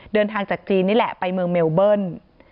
เดินทางจากจีนนี่แหละไปเมืองเมลเบิ้ล